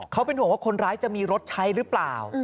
เขาเป็นห่วงว่าคนร้ายจะมีรถใช้หรือเปล่า